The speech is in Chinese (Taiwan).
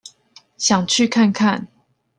想去看看